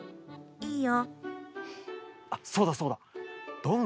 いいよ。